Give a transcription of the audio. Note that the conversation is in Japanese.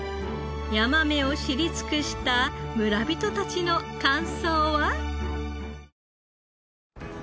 ヤマメを知り尽くした村人たちの感想は？